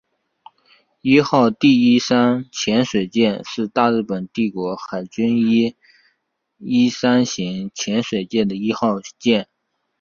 伊号第一三潜水舰是大日本帝国海军伊一三型潜水艇的一号舰。